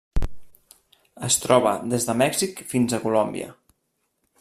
Es troba des de Mèxic fins a Colòmbia.